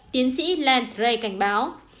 tiến sĩ lance ray cảnh báo